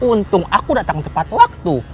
untung aku datang tepat waktu